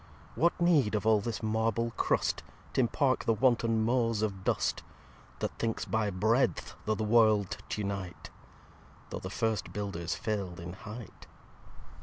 What need of all this Marble Crust T'impark the wanton Mose of Dust,2 That thinks by Breadth the World t'unite Though the first Builders fail'd in Height?